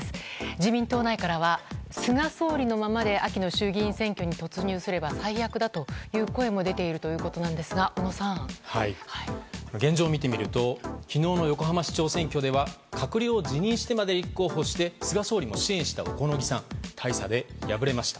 自民党内からは菅総理のままで秋の衆議院選挙に突入すれば最悪だという声も出ているんですが現状を見てみると昨日の横浜市長選挙では閣僚を辞任してまで立候補して菅さんも支援した小此木さんが大差で敗れました。